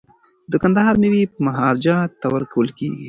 د کندهار میوې به مهاراجا ته ورکول کیږي.